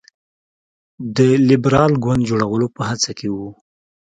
د لېبرال ګوند جوړولو په هڅه کې وو.